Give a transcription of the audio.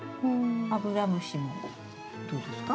アブラムシもどうですか？